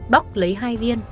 bóc lấy hai viên